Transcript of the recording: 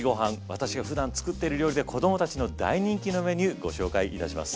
私がふだん作っている料理で子供たちの大人気のメニューご紹介いたします。